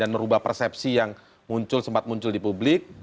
dan merubah persepsi yang muncul sempat muncul di publik